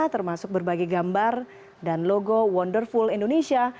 termasuk berbagai gambar dan logo wonderful indonesia